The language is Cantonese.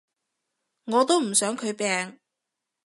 我都唔想佢病